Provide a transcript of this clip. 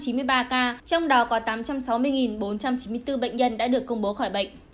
trong đó có tám trăm sáu mươi bốn trăm chín mươi bốn bệnh nhân đã được công bố khỏi bệnh